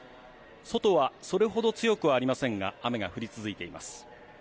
外はそれほど強くはありませんが、雨が降り続いています。